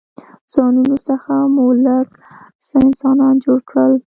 ځانونو څخه مو لږ څه انسانان جوړ کړل.